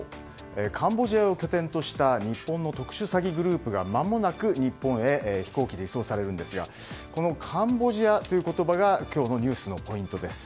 カンボジアを拠点とした日本の特殊詐欺グループがまもなく日本へ飛行機で移送されるんですがこのカンボジアという言葉が今日のニュースのポイントです。